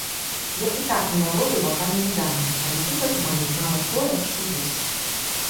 Я і так не валодаю вакальнымі данымі, але тут адмовіла нават тое, што ёсць.